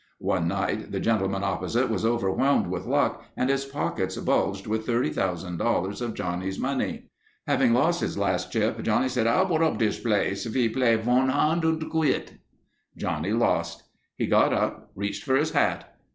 One night the gentleman opposite was overwhelmed with luck and his pockets bulged with $30,000 of Johnny's money. Having lost his last chip, Johnny said, "I'll put up dis place. Ve play vun hand and quit." Johnny lost. He got up, reached for his hat.